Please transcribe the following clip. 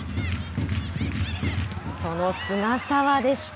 その菅澤でした。